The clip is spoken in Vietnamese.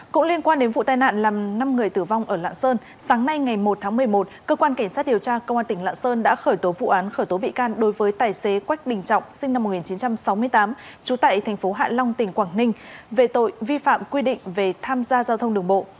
cũng liên quan đến vụ tai nạn làm năm người tử vong ở lạng sơn sáng nay ngày một tháng một mươi một cơ quan cảnh sát điều tra công an tỉnh lạng sơn đã khởi tố vụ án khởi tố bị can đối với tài xế quách đình trọng sinh năm một nghìn chín trăm sáu mươi tám trú tại thành phố hạ long tỉnh quảng ninh về tội vi phạm quy định về tham gia giao thông đường bộ